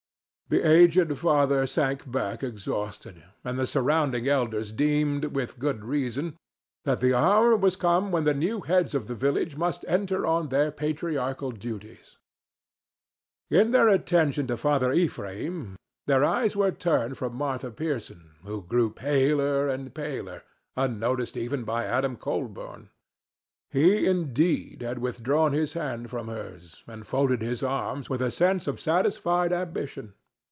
The aged father sank back exhausted, and the surrounding elders deemed, with good reason, that the hour was come when the new heads of the village must enter on their patriarchal duties. In their attention to Father Ephraim their eyes were turned from Martha Pierson, who grew paler and paler, unnoticed even by Adam Colburn. He, indeed, had withdrawn his hand from hers and folded his arms with a sense of satisfied ambition.